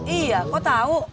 iya kok tau